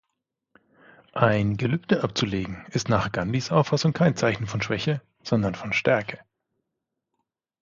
Ein Gelübde abzulegen ist nach Gandhis Auffassung kein Zeichen von Schwäche, sondern von Stärke.